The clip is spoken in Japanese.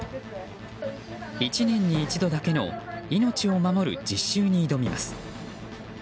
１年に一度だけの命を守る実習に挑みます。